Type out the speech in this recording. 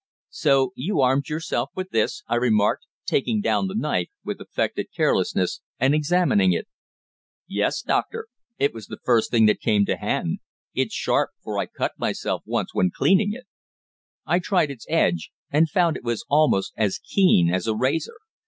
"So you armed yourself with this?" I remarked, taking down the knife with affected carelessness, and examining it. "Yes, doctor. It was the first thing that came to hand. It's sharp, for I cut myself once when cleaning it." I tried its edge, and found it almost as keen as a razor.